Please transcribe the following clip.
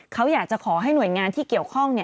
เขาอยากจะขอให้หน่วยงานที่เกี่ยวข้อง